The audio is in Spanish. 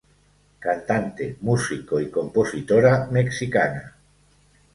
Cantante, músico y compositora mexicana.